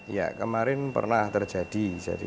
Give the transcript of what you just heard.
ya kemarin pernah terjadi